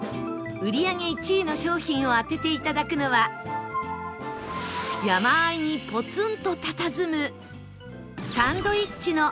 売り上げ１位の商品を当てて頂くのは山あいにポツンとたたずむ